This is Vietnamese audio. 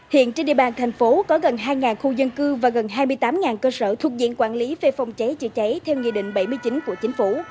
hiện trên địa bàn thành phố có gần hai khu dân cư và gần hai mươi tám cơ sở thuộc diện quản lý về phòng cháy chữa cháy theo nghị định bảy mươi chín của chính phủ